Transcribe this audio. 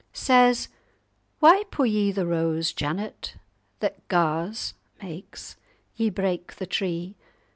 Says—'Why pu' ye the rose, Janet? What gars (makes) ye break the tree?